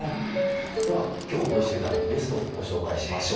では今日ご一緒頂くゲストをご紹介しましょう。